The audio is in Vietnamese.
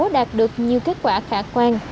đạt được nhiều kết quả khả quan